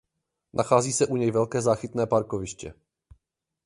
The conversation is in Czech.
Nachází se u něj velké záchytné parkoviště.